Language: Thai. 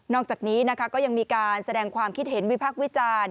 อกจากนี้นะคะก็ยังมีการแสดงความคิดเห็นวิพักษ์วิจารณ์